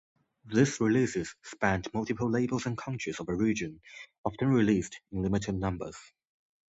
These releases spanned multiple labels and countries of origin, often released in limited numbers.